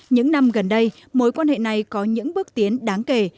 những năm gần đây mối quan hệ này có những bước tiến đáng kể